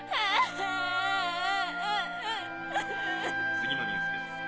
次のニュースです